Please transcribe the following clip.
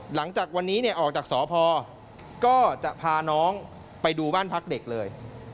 หลังจากวันนี้ออกจากสพก็จะพาน้องไปดูบ้านพักเด็กเลย